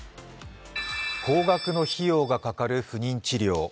高額の費用がかかる不妊治療。